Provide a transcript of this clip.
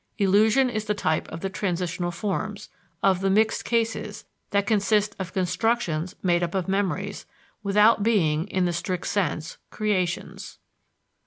Illusion is the type of the transitional forms, of the mixed cases, that consist of constructions made up of memories, without being, in the strict sense, creations.